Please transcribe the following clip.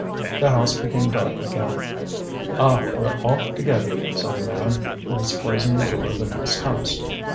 The house became dark again. "Ah! we're off together," said a man who was closing the door of the next house.